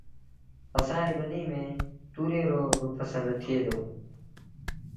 اسآݩ ريٚ ٻنيٚ ميݩ تُوريئي رو با ڦسل ٿئي دو